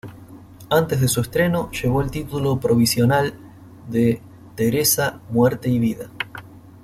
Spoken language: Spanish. Antes de su estreno, llevó el título provisional de Teresa: muerte y vida.